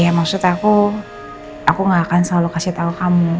ya maksud aku aku gak akan selalu kasih tahu kamu